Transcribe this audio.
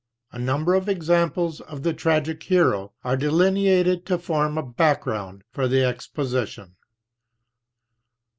A number of examples of the tragic hero are delineated to form a back ground for the exposition.